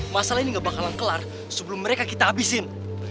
masalah ini gak bakalan kelar sebelum mereka kita habisin